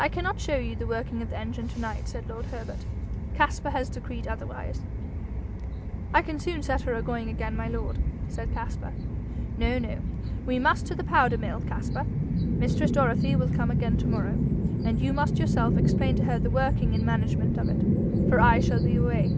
'I cannot show you the working of the engine to night,' said lord Herbert. 'Caspar has decreed otherwise.' 'I can soon set her agoing again, my lord,' said Caspar. 'No, no. We must to the powder mill, Caspar. Mistress Dorothy will come again to morrow, and you must yourself explain to her the working and management of it, for I shall be away.